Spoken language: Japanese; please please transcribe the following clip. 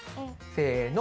せの。